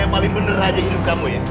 tante andis apa yang terjadi di hidup kamu ya